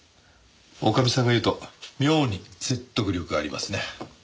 女将さんが言うと妙に説得力ありますね。